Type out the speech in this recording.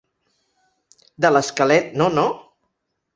De l'esquelet, no no?